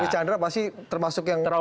chandra pasti termasuk yang